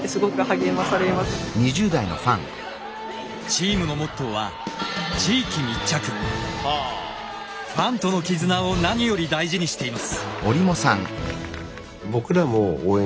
チームのモットーはファンとの絆を何より大事にしています。